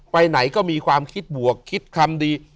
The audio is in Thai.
ไปไหนก็มีความคิดบวกคิดคำดี